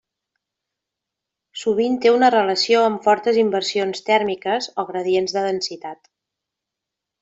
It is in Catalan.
Sovint té una relació amb fortes inversions tèrmiques o gradients de densitat.